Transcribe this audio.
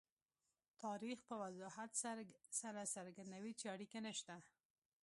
تاریخ په وضاحت سره څرګندوي چې اړیکه نشته.